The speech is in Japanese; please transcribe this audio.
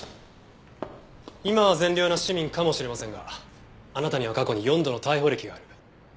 今は善良な市民かもしれませんがあなたには過去に４度の逮捕歴がある。